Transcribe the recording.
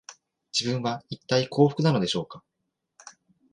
自分は、いったい幸福なのでしょうか